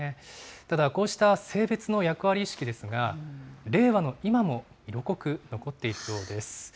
ただこうした性別の役割意識ですが、令和の今も色濃く残っているようです。